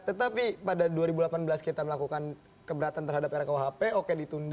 tetapi pada dua ribu delapan belas kita melakukan keberatan terhadap rkuhp oke ditunda